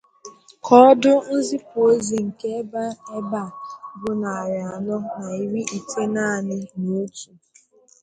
Koodu nzipu ozi nke ebe a bu narị anọ na ịrị na itenanị na otu.